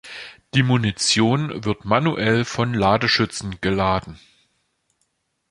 Die Munition wird manuell vom Ladeschützen geladen.